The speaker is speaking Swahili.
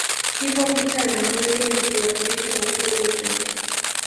Ipo picha ya mwenge ikiwakilisha uhuru wetu